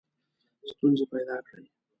ستونزي پیدا کړي.